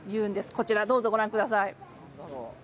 こちらをどうぞご覧ください。